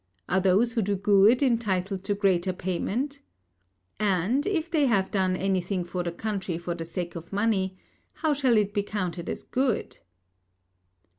Are those who do good entitled to greater payment? And, if they have done anything for the country for the sake of money, how shall it be counted as good?